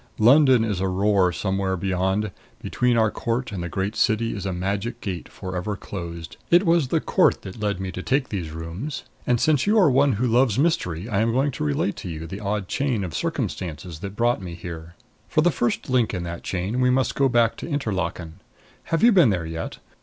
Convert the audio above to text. London is a roar somewhere beyond; between our court and the great city is a magic gate, forever closed. It was the court that led me to take these rooms. And, since you are one who loves mystery, I am going to relate to you the odd chain of circumstances that brought me here. For the first link in that chain we must go back to Interlaken. Have you been there yet?